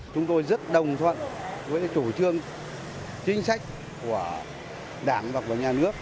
chúng tôi rất đồng thuận với chủ trương chính sách của đảng và của nhà nước